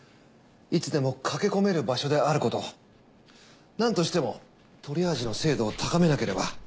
いつでも駆け込める場所であることなんとしてもトリアージの精度を高めなければ。